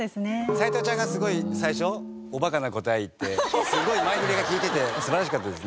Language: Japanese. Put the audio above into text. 斎藤ちゃんがすごい最初おバカな答え言ってすごい前フリが利いてて素晴らしかったですね。